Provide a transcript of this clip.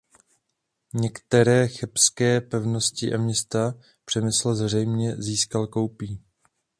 Některé chebské pevnosti a města Přemysl zřejmě získal koupí.